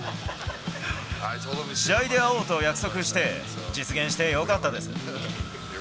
試合で会おうと約束して、実現してよかったです。